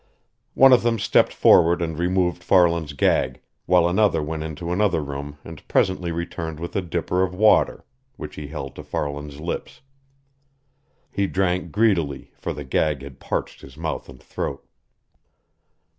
One of them stepped forward and removed Farland's gag, while another went into another room and presently returned with a dipper of water, which he held to Farland's lips. He drank greedily, for the gag had parched his mouth and throat.